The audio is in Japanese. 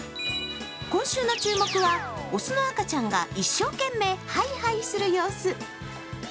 今週の注目は雄の赤ちゃんが一生懸命ハイハイする様子。